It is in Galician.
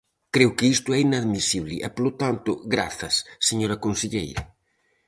Creo que isto é inadmisible; e polo tanto, grazas, señora conselleira.